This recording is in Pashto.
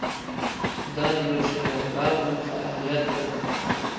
دا د یو شمیر افرادو فعالیت دی.